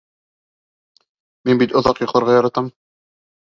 Мин бит оҙаҡ йоҡларға яратам.